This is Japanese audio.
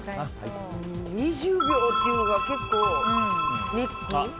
２０秒っていうのが結構ネック？